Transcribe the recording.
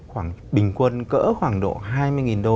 khoảng bình quân cỡ khoảng độ hai mươi đô